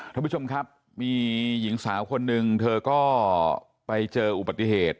ท่านผู้ชมครับมีหญิงสาวคนหนึ่งเธอก็ไปเจออุบัติเหตุ